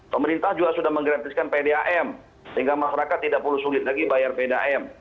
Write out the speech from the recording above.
pemerintah juga sudah menggratiskan pdam sehingga masyarakat tidak perlu sulit lagi bayar pdam